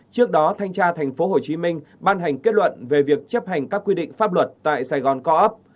trước đó thanh tra tp hcm ban hành kết luận về việc chấp hành các quy định pháp luật tại sài gòn co op